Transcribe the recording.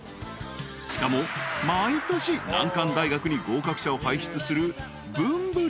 ［しかも毎年難関大学に合格者を輩出する］